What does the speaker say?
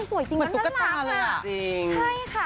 สวยจริงกันตลาดค่ะ